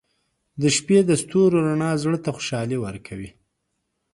• د شپې د ستورو رڼا زړه ته خوشحالي ورکوي.